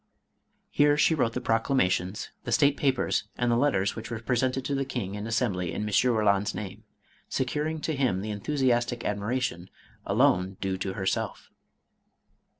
Here she wrote the proclamations, the state papers, and the letters which were presented to the King and Assembly in M. Eoland's name, securing to him the enthusiastic admiration alone due to her self.